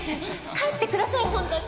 帰ってください本当に！